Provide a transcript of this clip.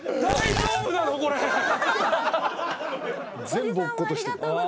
おじさんもありがとうございました。